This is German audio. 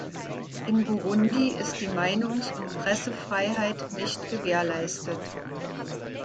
In Burundi ist die Meinungs- und Pressefreiheit nicht gewährleistet.